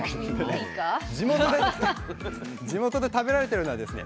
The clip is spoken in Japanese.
地元で食べられてるのはですね